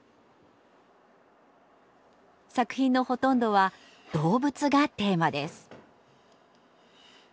作品のほとんどは動物がテーマです。